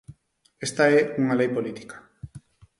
Esta é unha lei política.